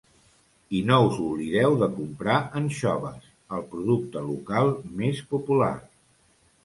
I no us oblideu de comprar anxoves, el producte local més popular!